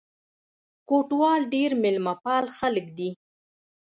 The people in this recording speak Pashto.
کوټوال ډېر مېلمه پال خلک دي.